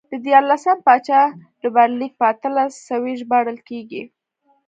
د دیارلسم پاچا ډبرلیک په اتلس سوی ژباړل کېږي